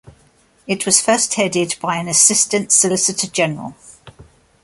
It was first headed by an assistant solicitor general.